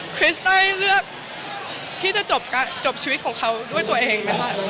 คริสได้เลือกที่จะจบชีวิตของเขาด้วยตัวเองไหมคะ